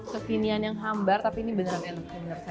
kekinian yang hambar tapi ini benar enak